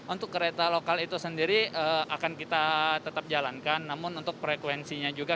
untuk kereta lokal itu sendiri akan kita tetap jalankan namun untuk frekuensinya juga